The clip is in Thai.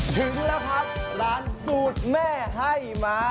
ถึงแล้วครับร้านสูตรแม่ให้มา